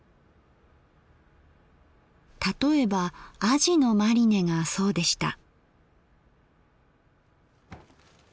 例えばあじのマリネがそうでした。